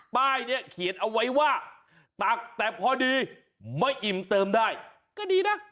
ป้ายนี้เขียนเอาไว้ว่าตักแต่พอดีไม่อิ่มเติมได้ก็ดีนะ